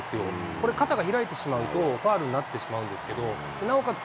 これ、肩が開いてしまうと、ファウルになってしまうんですけど、なおかつ